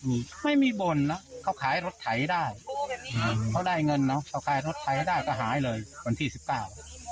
มีไม่มีบ่นนะเขาขายรถไถได้เขาได้เงินเนอะเขาขายรถไถได้ก็หายเลยวันที่สิบเก้า